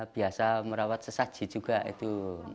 biasa merawat sesaji juga itu